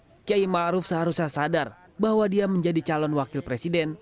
menurut fnd khoiri kiai ma'ruf seharusnya sadar bahwa dia menjadi calon wakil presiden